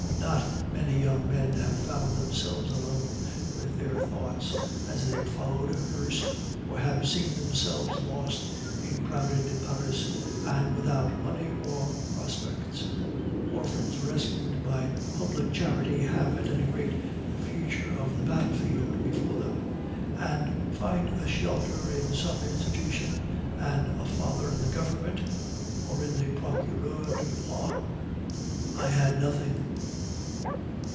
Not many young men have found themselves alone with their thoughts as they followed a hearse, or have seen themselves lost in crowded Paris, and without money or prospects. Orphans rescued by public charity have at any rate the future of the battlefield before them, and find a shelter in some institution and a father in the government or in the procureur du roi. I had nothing.